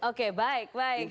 oke baik baik